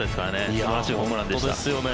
素晴らしいホームランでした。